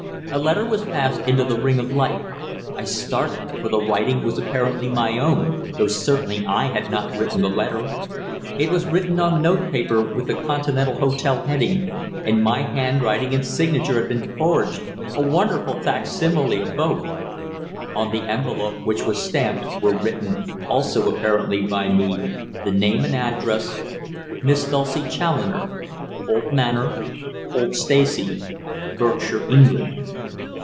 A letter was passed into the ring of light. I started, for the writing was apparently my own, though certainly I had not written the letter. It was written on notepaper with the Continental Hotel heading, and my handwriting and signature had been forged a wonderful facsimile of both. On the envelope, which was stamped, were written, also apparently by me, the name and address: "Miss DULCIE CHALLONER, Holt Manor, Holt Stacey, Berkshire, England."